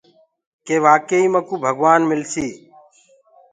ڪي واڪي ئي مڪوُ ڪي ڀگوآن مِلسي۔